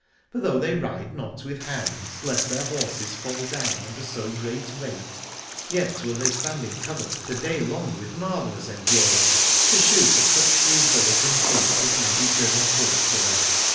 For though they ride not v^rith hounds, lest their horses fall dov^n under so great weight, yet will they stand in covert the day long with marvellous endur ance, to shoot at such few birds and beasts as may be driven forth to them.